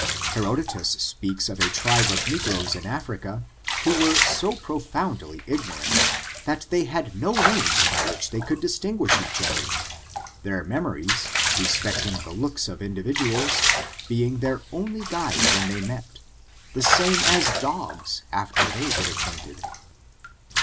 Herod otus speaKs of a tribe of negroes in Africa, who were so profoundly ignorant, that they had no names by which they could distinguish each other ; their mem ories, respecting the looks of individuals, being their only guide when they met, the same as dogs after they get acquainted.